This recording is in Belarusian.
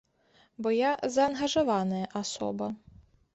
Бо я заангажаваная асоба.